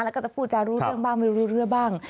แล้วก็จะพูดจารู้เรื่องบ้างไม่รู้เรื่องบ้าง